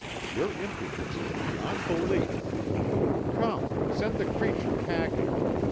Your impudence is beyond belief! Come, send the creature packing.